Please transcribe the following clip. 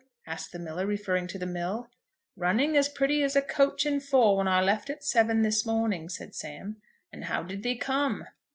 asked the miller, referring to the mill. "Running as pretty as a coach and four when I left at seven this morning," said Sam. "And how did thee come?"